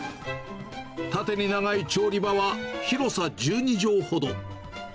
縦に長い調理場は、広さ１２畳ほど。